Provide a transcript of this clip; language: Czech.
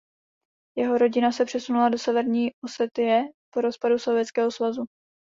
Jeho rodina se přesunula do Severní Osetie po rozpadu Sovětského svazu.